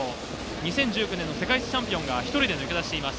２０１９年の世界チャンピオンが１人で抜け出しています。